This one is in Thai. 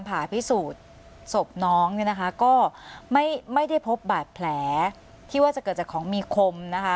ผ่าพิสูจน์ศพน้องเนี่ยนะคะก็ไม่ไม่ได้พบบาดแผลที่ว่าจะเกิดจากของมีคมนะคะ